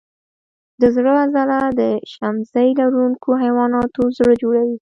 د زړه عضله د شمزۍ لرونکو حیواناتو زړه جوړوي.